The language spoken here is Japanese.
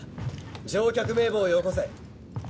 乗客名簿をよこせ。